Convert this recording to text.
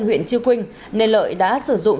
huyện chia quynh nên lợi đã sử dụng